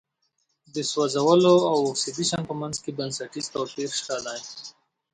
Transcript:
د سوځولو او اکسیدیشن په منځ کې بنسټیز توپیر شته دی.